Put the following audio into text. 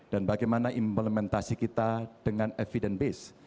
dan bagaimana implementasi kita dengan evidence base